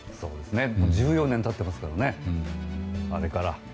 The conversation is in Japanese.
もう１４年経ってますからね、あれから。